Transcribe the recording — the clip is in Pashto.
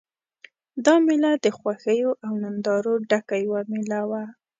دا مېله د خوښیو او نندارو ډکه یوه مېله وه.